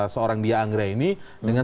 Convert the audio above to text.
seorang diang reini dengan